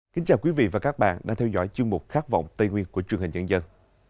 kính chào quý vị và các bạn đang theo dõi chương mục khát vọng tây nguyên của truyền hình nhân dân